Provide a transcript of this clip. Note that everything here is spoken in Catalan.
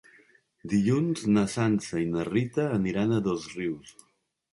Dilluns na Sança i na Rita aniran a Dosrius.